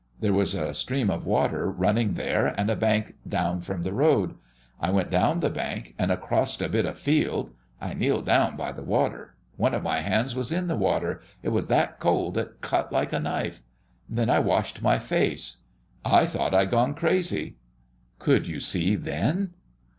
There was a stream of water running there, and a bank down from the road. I went down the bank and acrost a bit of field. I kneeled down by the water. One of my hands was in the water it was that cold it cut like a knife. Then I washed my face. I thought I had gone crazy." "Could you see then?"